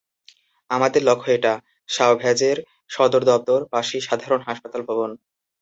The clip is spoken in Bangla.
আমাদের লক্ষ্য এটা, সাওভ্যাজের সদর দপ্তর, পাশেই সাধারণ হাসপাতাল ভবন।